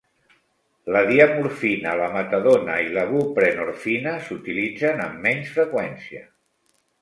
La diamorfina, la metadona i la buprenorfina s'utilitzen amb menys freqüència.